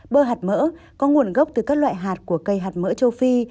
bơ hạt mỡ có nguồn gốc từ các loại hạt của cây hạt mỡ châu phi